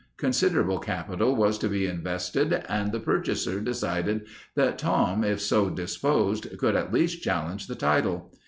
Considerable capital was to be invested and the purchaser decided that Tom, if so disposed, could at least challenge the title.